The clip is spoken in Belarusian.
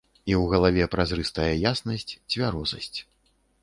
І ў галаве празрыстая яснасць, цвярозасць.